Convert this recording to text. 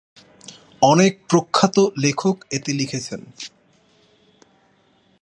অনেক প্রখ্যাত লেখক এতে লিখেছেন।